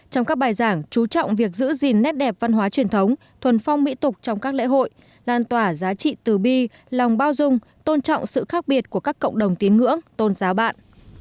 trong các bài giảng chú trọng việc giữ gìn nét đẹp văn hóa truyền thống thuần phong mỹ tục trong các lễ hội lan tỏa giá trị từ bi lòng bao dung tôn trọng sự khác biệt của các cộng đồng tín ngưỡng tôn giáo bạn